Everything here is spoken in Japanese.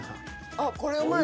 あっこれうまい。